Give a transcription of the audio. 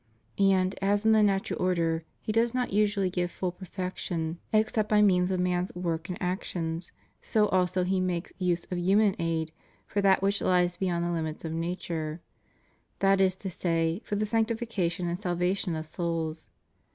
And, as in the natural order He does not usually give full perfection except by means of man's work and actions so also He makes use of human aid for that which lies beyond the limits of nature; that is to say, for the sanctification and salvation of souls.